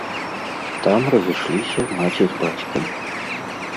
Там разышліся маці з бацькам.